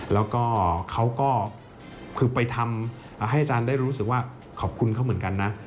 แล้วก็เขาก็คือไปทำให้อาจารย์ได้รู้สึกว่าขอบคุณเขาเหมือนกันนะ